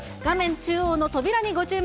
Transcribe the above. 中央の扉にご注目。